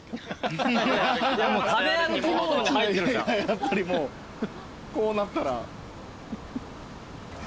やっぱりもうこうなったら。